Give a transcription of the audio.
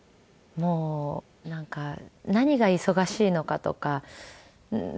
もうなんか何が忙しいのかとか。